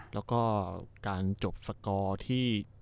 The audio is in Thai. แล้วก็การจบสกอร์ที่